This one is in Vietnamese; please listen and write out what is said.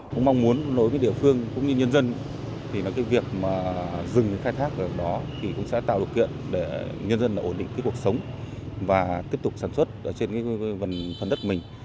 cũng mong muốn nối với địa phương cũng như nhân dân thì là cái việc mà dừng khai thác ở đó thì cũng sẽ tạo điều kiện để nhân dân ổn định cái cuộc sống và tiếp tục sản xuất ở trên phần đất mình